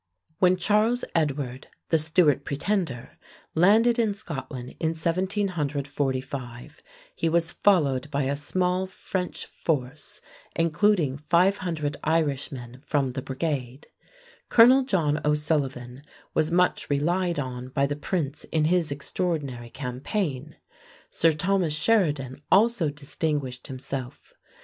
When Charles Edward, the Stuart Pretender, landed in Scotland in 1745, he was followed by a small French force, including 500 Irishmen from the Brigade. Colonel John O'Sullivan was much relied on by the prince in his extraordinary campaign. Sir Thomas Sheridan also distinguished himself.